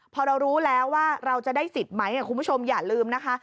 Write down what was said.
พอเรารู้แล้วว่าเราจะได้สิทธิ์ไหมคุณผู้ชมอย่าลืมนะคะ